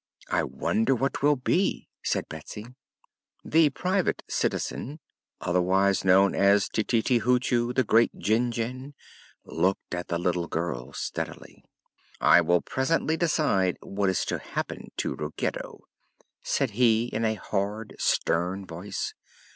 "I wonder what 'twill be," said Betsy. The Private Citizen otherwise known as Tititi Hoochoo, the Great Jinjin looked at the little girl steadily. "I will presently decide what is to happen to Ruggedo," said he in a hard, stern voice.